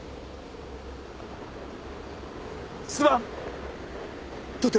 すまん！